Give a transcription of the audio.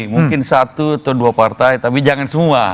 mungkin satu atau dua partai tapi jangan semua